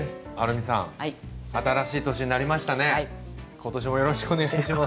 今年もよろしくお願いします。